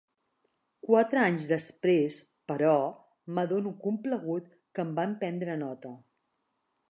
Quatre anys després, però, m'adono complagut que en van prendre nota.